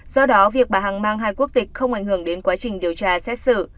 do đó việc bà hằng mang hai quốc tịch không ảnh hưởng đến quá trình điều tra xét xử